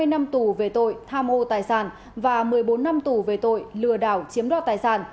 hai mươi năm tù về tội tham mô tài sản và một mươi bốn năm tù về tội lừa đảo chiếm đoạt tài sản